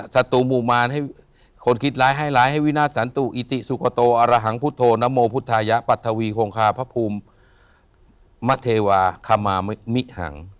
ศัตรูหมู่มารให้คนคิดร้ายให้ร้ายให้วินาทสันตุอิติสุขโตอรหังพุทธนโมพุทธายะปัทวีโคงคาพระภูมิมเทวาคมามิหัง